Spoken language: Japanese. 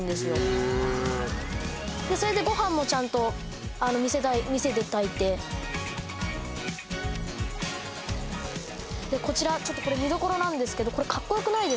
へえでそれでご飯もちゃんとあの店で炊いてでこちら見どころなんですけどこれカッコよくないですか？